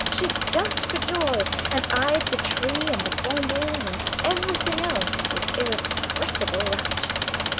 She jumped for joy, and eyed the tree and the bonbons, and everything else with irrepressible rapture.